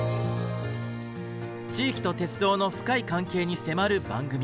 地域と鉄道の深い関係に迫る番組。